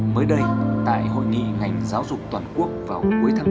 mới đây tại hội nghị hành giáo dục toàn quốc vào cuối tháng tám